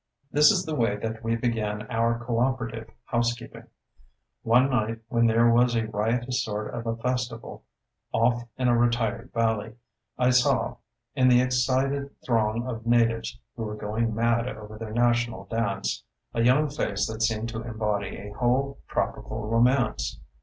This is the way that we began our co operative housekeeping: One night, when there was a riotous sort of a festival off in a retired valley, I saw, in the excited throng of natives who were going mad over their national dance, a young face that seemed to embody a whole tropical romance.